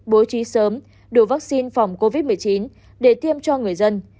bố trí sớm đủ vaccine phòng covid một mươi chín để tiêm cho người dân